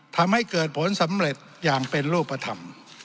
ทำให้เกิดผลสำเร็จอย่างเป็นรูปธรรม